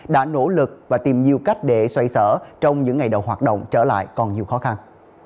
đã nỗ lực và tìm nhiều cách để xoay sở trong những ngày đầu hoạt động trở lại còn nhiều khó khăn